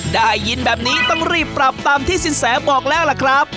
ได้ยินแบบนี้ต้องรีบปรับตามที่สินแสบอกแล้วล่ะครับ